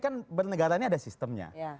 kan bernegara ini ada sistemnya